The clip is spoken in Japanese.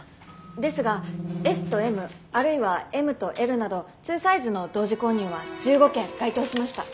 ですがＳとＭあるいはＭとＬなど２サイズの同時購入は１５件該当しました。